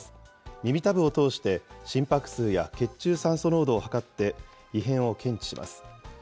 耳たぶを通して、心拍数や血中酸素濃度を測って、異変を検知します。